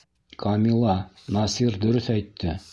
Камила, Насир дөрөҫ әйтте.